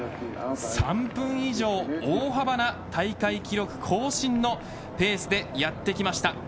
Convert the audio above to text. ３分以上、大幅な大会記録更新のペースでやって来ました。